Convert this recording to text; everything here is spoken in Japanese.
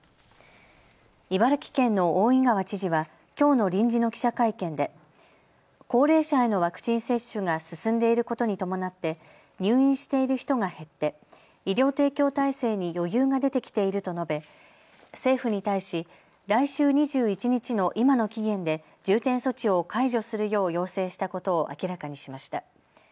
茨城県の大井川知事はきょうの臨時の記者会見で高齢者へのワクチン接種が進んでいることに伴って入院している人が減って医療提供体制に余裕が出てきていると述べ政府に対し来週２１日の今の期限で重点措置を解除するよう要請したことを明らかにしました。